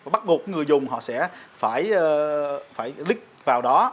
bắt buộc người dùng họ sẽ phải click vào đó